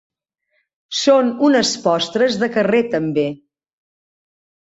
Són unes postres de carrer també.